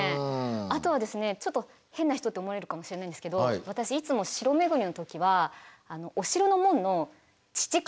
あとはですねちょっと変な人って思われるかもしれないんですけど私いつも城巡りの時はお城の門の乳金物をチェックするんですよ。